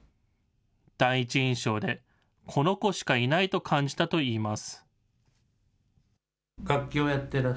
第一印象で、この子しかいないと感じたといいます。